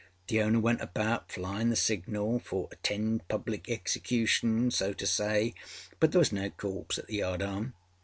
The owner went about flyinâ the signal for âattend public execution,â so to say, but there was no corpse at the yardarm.